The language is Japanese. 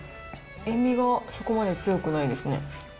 塩味がそこまで強くないですね。